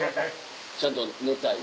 ちゃんと寝たい。